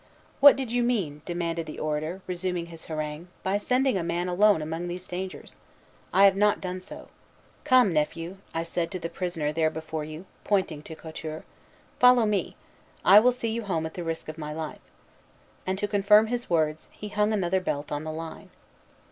"What did you mean," demanded the orator, resuming his harangue, "by sending a man alone among these dangers? I have not done so. 'Come, nephew,' I said to the prisoner there before you," pointing to Couture, "'follow me: I will see you home at the risk of my life.'" And to confirm his words, he hung another belt on the line.